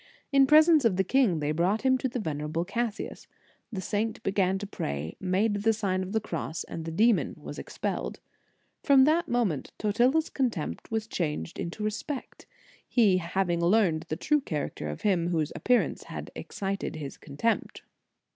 In pre sence of the king, they brought him to the venerable Cassius. The saint began to pray, made the Sign of the Cross, and the demon was expelled. From that moment Totila s contempt was changed into respect, he having learned the true character of him whose appearance had excited his contempt."